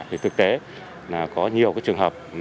thì thực tế có nhiều trường hợp